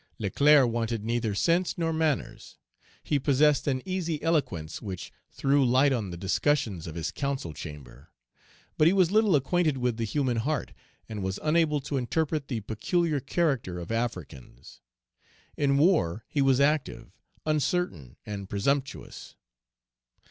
Leclerc wanted neither sense nor manners. He possessed an easy eloquence which threw Page 255 light on the discussions of his council chamber. But he was little acquainted with the human heart, and was unable to interpret the peculiar character of Africans. In war he was active, uncertain, and presumptuous.